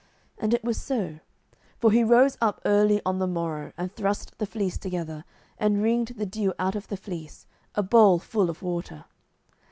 07:006:038 And it was so: for he rose up early on the morrow, and thrust the fleece together, and wringed the dew out of the fleece, a bowl full of water.